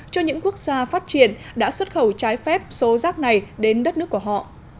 cho những quốc gia phát triển đã xuất khẩu trái phép số rác này đến đất nước của họ